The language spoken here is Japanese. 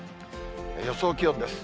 予想気温です。